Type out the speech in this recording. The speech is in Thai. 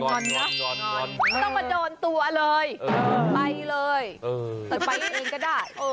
ต้องมาโดนตัวเลยไปเลยแต่ไปเองก็ได้